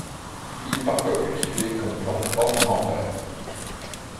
Il est parfois cultivé comme plante ornementale.